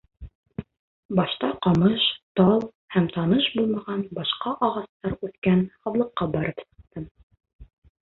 Башта ҡамыш, тал һәм таныш булмаған башҡа ағастар үҫкән һаҙлыҡҡа барып сыҡтым.